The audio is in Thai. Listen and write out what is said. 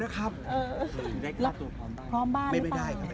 แล้วข้าวตัวพร้อมบ้างด้วยได้มั้ย